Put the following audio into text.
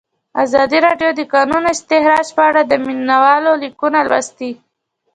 ازادي راډیو د د کانونو استخراج په اړه د مینه والو لیکونه لوستي.